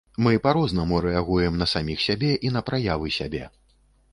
Мы па-рознаму рэагуем на саміх сябе і на праявы сябе.